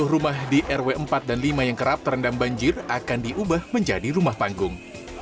sepuluh rumah di rw empat dan lima yang kerap terendam banjir akan diubah menjadi rumah panggung